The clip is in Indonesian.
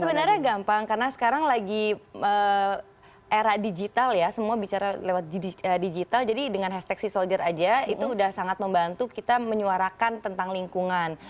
sebenarnya gampang karena sekarang lagi era digital ya semua bicara lewat digital jadi dengan hashtag sea soldier aja itu udah sangat membantu kita menyuarakan tentang lingkungan